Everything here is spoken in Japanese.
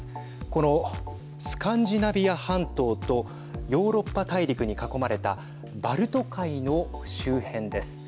この、スカンジナビア半島とヨーロッパ大陸に囲まれたバルト海の周辺です。